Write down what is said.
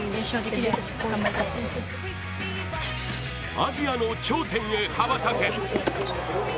アジアの頂点へ、羽ばたけ！